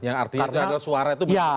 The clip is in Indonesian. yang artinya adalah suara itu bisa